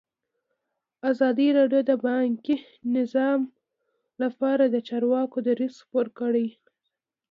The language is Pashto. ازادي راډیو د بانکي نظام لپاره د چارواکو دریځ خپور کړی.